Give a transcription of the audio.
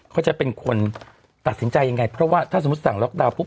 เขาจะเป็นคนตัดสินใจยังไงเพราะว่าถ้าสมมุติสั่งล็อกดาวนปุ๊